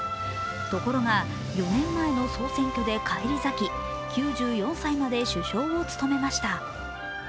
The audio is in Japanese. ところが、４年前の総選挙で返り咲き、９４歳まで首相を務めました。